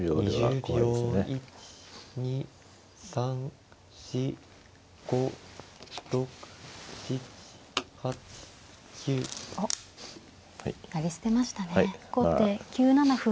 後手９七歩成。